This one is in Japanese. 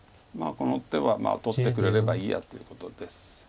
この手はまあ取ってくれればいいやっていうことです。